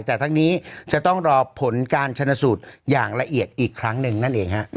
แต่ทั้งนี้จะต้องรอผลการชนสูตรอย่างละเอียดอีกครั้งหนึ่งนั่นเองฮะ